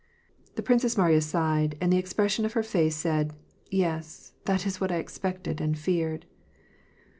The Princess Mariya sighed, and the expression of her face said, "Yes, this is what I expected and feared."